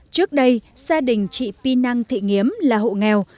trước đây gia đình chị pi năng thị nghiếm là hộ nghèo